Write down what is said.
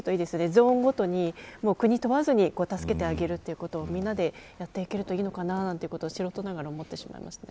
ゾーンごとに国を問わずに助けてあげるということをみんなでやっていけるといいのかなと素人ながら思ってしまいます。